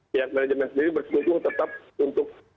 pihak manajemen sendiri bersikung tetap untuk